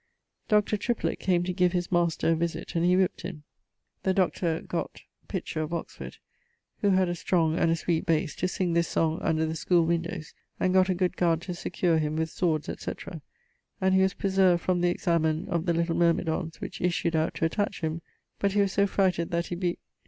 Dr. Triplet came to give his master a visit, and he whip't him. The Dr. gott ... Pitcher, of Oxford, who had a strong and a sweet base, to sing this song under the schoole windowes, and gott a good guard to secure him with swords, etc., and he was preserved from the examen of the little myrmidons which issued out to attach him; but he was so frighted that he bes ...